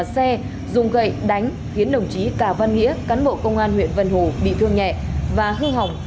xe dùng gậy đánh khiến đồng chí cà văn nghĩa cán bộ công an huyện vân hồ bị thương nhẹ và hư hỏng